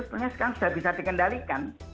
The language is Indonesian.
sebetulnya sekarang sudah bisa dikendalikan